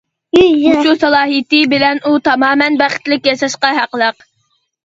مۇشۇ سالاھىيىتى بىلەن ئۇ تامامەن بەختلىك ياشاشقا ھەقلىق.